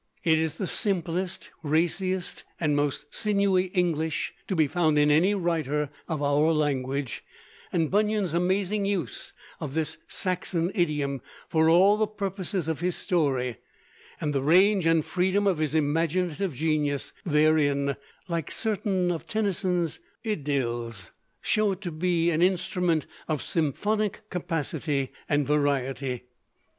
It is the simplest, raciest, and most sinewy English to be found in any writer of our language; and Bunyan's amazing use of this Saxon idiom for all the purposes of his story, and the range and freedom of his imaginative genius therein, like certain of Tennyson's 'Idylls,' show it to be an instrument of symphonic capacity and variety.